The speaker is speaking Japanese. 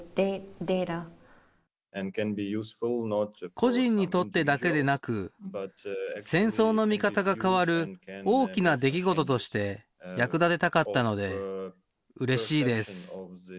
個人にとってだけでなく、戦争の見方が変わる大きな出来事として役立てたかったので、うれしいです。